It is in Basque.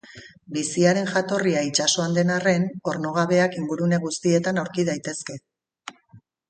Biziaren jatorria itsasoan den arren, ornogabeak ingurune guztietan aurki daitezke.